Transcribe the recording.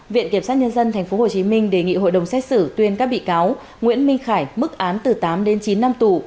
viện kiểm sát nhân dân tp hcm đề nghị hội đồng xét xử tuyên các bị cáo nguyễn minh khải mức án từ tám đến chín năm tù